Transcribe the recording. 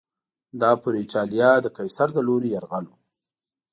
دا پر اېټالیا د قیصر له لوري یرغل و